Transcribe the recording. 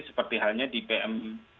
seperti halnya di pm dua puluh lima